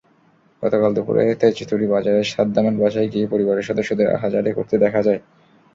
গতকাল দুপুরে তেজতুরী বাজারে সাদ্দামের বাসায় গিয়ে পরিবারের সদস্যদের আহাজারি করতে দেখা যায়।